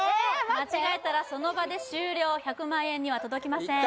間違えたらその場で終了１００万円には届きません